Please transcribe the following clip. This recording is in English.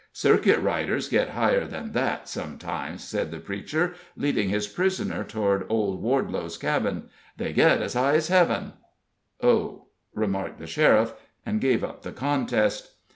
"Circuit riders get higher than that, sometimes," said the preacher, leading his prisoner toward old Wardelow's cabin; "they get as high as heaven!" "Oh!" remarked the sheriff, and gave up the contest.